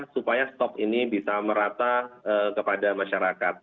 supaya stok ini bisa merata kepada masyarakat